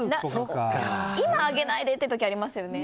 今、上げないでって時ありますよね。